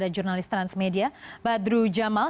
jurnalis transmedia badru jamal